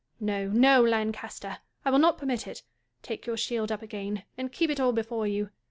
No, no, Lancaster ! I will not permit it. Take your shield up again; and keep it all before you.